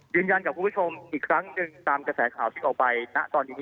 ยืนยันกับคุณผู้ชมอีกครั้งหนึ่งตามกระแสข่าวที่ออกไปณตอนนี้